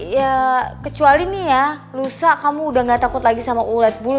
ya kecuali nih ya lusa kamu udah gak takut lagi sama ulat bulu